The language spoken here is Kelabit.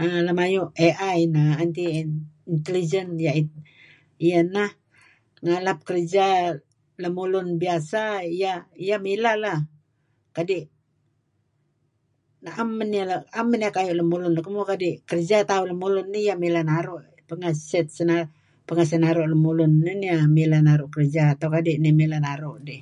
Ay lem ayu AI neh represen iyeh ineh ngalap kerja lemulun bisa iyeh mileh lah kadi' naem man iyeh kayu' lemulun kadi' kayu' tauh lemulun dih mileh naru' pangeh set pangeh sinaru' lemulun iih. Neh mileh naru' kerja kadi' nieh mileh naru' dih